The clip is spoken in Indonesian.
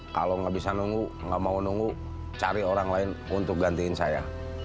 kalau nggak bisa nunggu nggak mau nunggu cari orang lain untuk gantiin saya